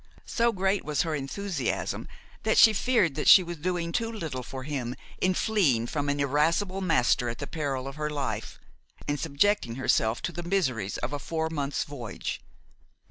So great was her enthusiasm that she feared that she was doing too little for him in fleeing from an irascible master at the peril of her life, and subjecting herself to the miseries of a four months' voyage.